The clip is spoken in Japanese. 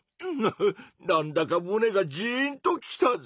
なんだかむねがジーンときたぞ！